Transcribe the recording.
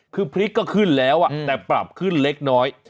คือพริกก็ขึ้นแล้วแต่ปรับขึ้นเล็กน้อย